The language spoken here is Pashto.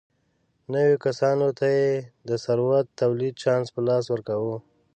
نویو کسانو ته یې د ثروت د تولید چانس په لاس ورکاوه.